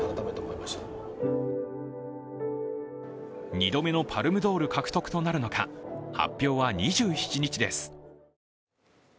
２度目のパルムドール獲得となるのか、発表は２７日です。